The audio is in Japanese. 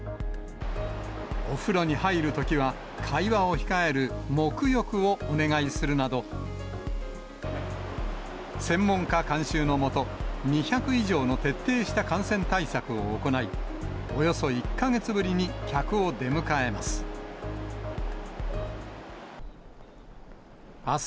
お風呂に入るときは、会話を控える黙浴をお願いするなど、専門家監修の下、２００以上の徹底した感染対策を行い、およそ１か月ぶりに客を出迎えます。